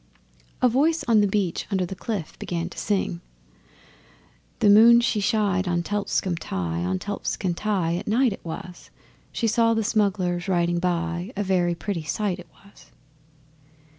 A voice on the beach under the cliff began to sing: 'The moon she shined on Telscombe Tye On Telscombe Tye at night it was She saw the smugglers riding by, A very pretty sight it was!